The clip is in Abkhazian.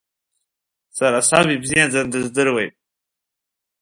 Сара саб ибзиаӡаны дыздыруеит.